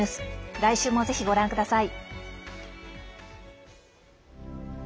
来週も、ぜひご覧ください。